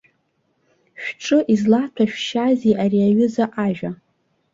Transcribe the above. Шәҿы излаҭәашәшьазеи ари аҩыза ажәа.